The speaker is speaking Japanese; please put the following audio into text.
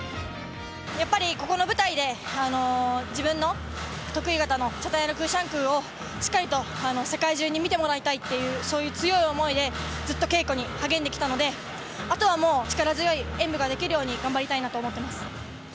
やっぱりここの舞台で自分の得意形のチャタンヤラクーサンクーをしっかりと世界中に見てもらいたいっていう、そういう強い思いで、ずっと稽古に励んできたので、あとはもう力強い演武ができるように、頑張りたいなと思ってます。